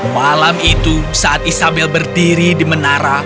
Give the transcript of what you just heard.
malam itu saat isabel berdiri di menara